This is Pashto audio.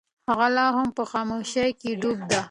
هغه لا هم په خاموشۍ کې ډوبه ده.